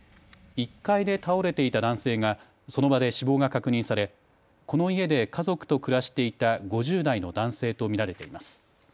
１階で倒れていた男性がその場で死亡が確認されこの家で家族と暮らしていた５０代の男性と見られています。